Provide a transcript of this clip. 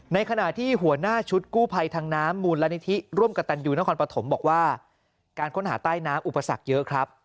ในขณะที่หัวหน้าชุดกู้ภัยทางน้ำมูลนิธิร่วมกับตันยูนครปฐมบอกว่าการค้นหาใต้น้ำอุปสรรคเยอะครับ